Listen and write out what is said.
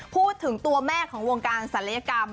พูดถึงตัวแม่ของวงการศัลยกรรม